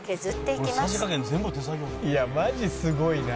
「いやマジすごいな」